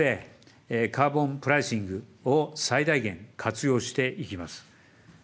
そしてカーボンプライシングを最大限活用していきます。